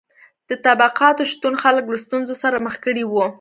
د طبقاتو شتون خلک له ستونزو سره مخ کړي وو.